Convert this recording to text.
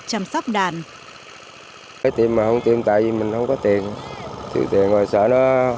chăm sóc đàn